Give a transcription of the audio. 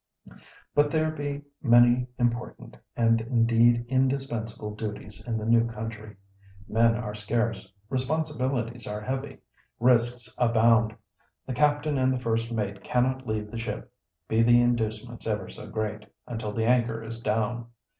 But there be many important, and, indeed, indispensable duties in new country. Men are scarce. Responsibilities are heavy. Risks abound. The captain and the first mate cannot leave the ship, be the inducements ever so great, until the anchor is down.